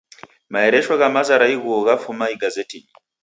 Maeresho gha maza ra ighuo ghafuma igazetinyi